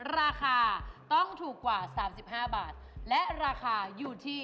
ราคาต้องถูกกว่า๓๕บาทและราคาอยู่ที่